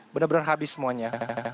benar benar habis semuanya